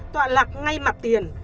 tọa lạc ngay mặt tiền